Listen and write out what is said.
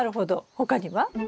他には？